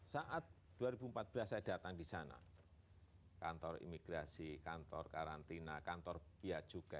saat dua ribu empat belas saya datang di sana kantor imigrasi kantor karantina kantor pihak juga